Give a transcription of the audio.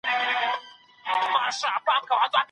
طالبانو ته د استاد ليک يو واضح خبرداری و.